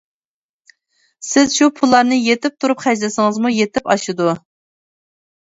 سىز شۇ پۇللارنى يېتىپ تۇرۇپ خەجلىسىڭىزمۇ يېتىپ ئاشىدۇ.